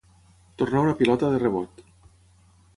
Tornar una pilota de rebot.